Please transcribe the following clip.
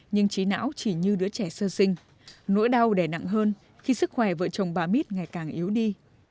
nhưng trí não chỉ như đứa trẻ sơ sinh nỗi đau đẻ nặng hơn khi sức khỏe vợ chồng bà mít ngày càng yếu đi